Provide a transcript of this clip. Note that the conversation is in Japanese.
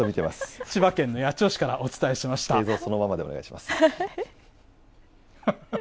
千葉県の八千代市からお伝え映像そのままでお願いします。